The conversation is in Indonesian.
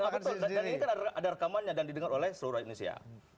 dan ini kan ada rekamannya dan didengar oleh seluruh indonesia